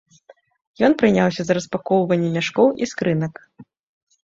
Ён прыняўся за распакоўванне мяшкоў і скрынак.